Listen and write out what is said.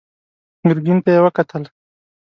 ګرګين ته يې وکتل.